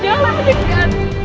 jangan lagi biarin